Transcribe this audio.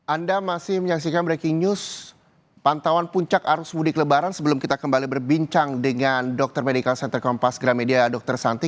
anda masih menyaksikan breaking news pantauan puncak arus mudik lebaran sebelum kita kembali berbincang dengan dokter medical center kompas gramedia dr santi